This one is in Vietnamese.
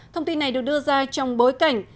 thông tin này được đưa ra trong bối cảnh